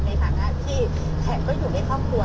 ในฐานะที่แขกก็อยู่ในครอบครัว